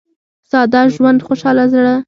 • ساده ژوند، خوشاله زړه.